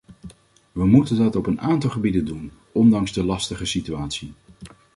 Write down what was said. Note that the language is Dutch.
We moeten dat op een aantal gebieden doen, ondanks de lastige situatie.